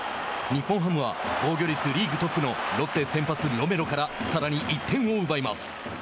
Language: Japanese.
日本ハムは防御率リーグトップのロッテ先発ロメロからさらに１点を奪います。